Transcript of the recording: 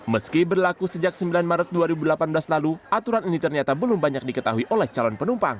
meski berlaku sejak sembilan maret dua ribu delapan belas lalu aturan ini ternyata belum banyak diketahui oleh calon penumpang